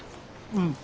うん。